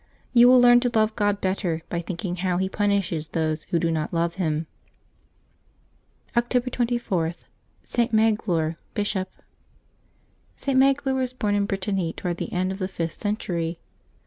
You will learn to love God better by thinking how He punishes those who do not love Him. October 25] LIVES OF THE SAINTS 343 October 24.— ST. MAGLOIRE, Bishop. @T. Magloire was born in Brittany towards the end of the fifth century.